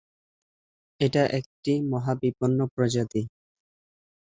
এটা একটি মহাবিপন্ন প্রজাতি।